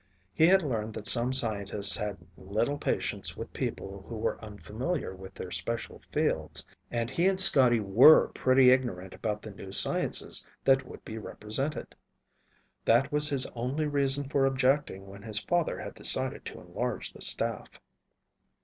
He had learned that some scientists had little patience with people who were unfamiliar with their special fields, and he and Scotty were pretty ignorant about the new sciences that would be represented. That was his only reason for objecting when his father had decided to enlarge the staff.